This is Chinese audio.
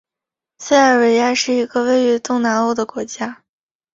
塞尔维亚是一个位于东南欧的国家。